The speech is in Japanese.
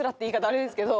あれですけど。